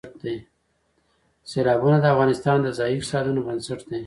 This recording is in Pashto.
سیلابونه د افغانستان د ځایي اقتصادونو بنسټ دی.